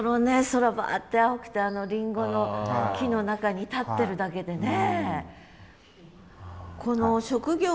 空バーッて青くてあのりんごの木の中に立ってるだけでね。